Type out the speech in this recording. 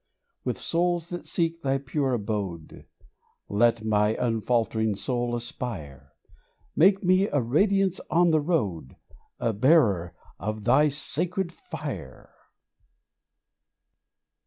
With souls that seek Thy pure abode, Let my unfaltering soul aspire ! Make me a radiance on the road ; A bearer of Thy sacred fire